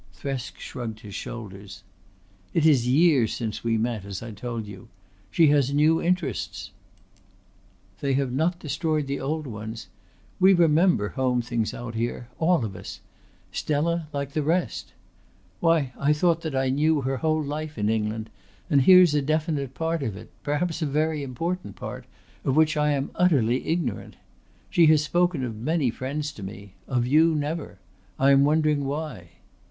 Thresk shrugged his shoulders. "It is years since we met, as I told you. She has new interests." "They have not destroyed the old ones. We remember home things out here, all of us. Stella like the rest. Why, I thought that I knew her whole life in England, and here's a definite part of it perhaps a very important part of which I am utterly ignorant. She has spoken of many friends to me; of you never. I am wondering why."